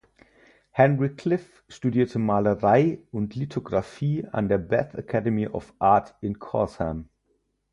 Henry Cliffe studierte Malerei und Lithographie an der "Bath Academy of Art" in Corsham.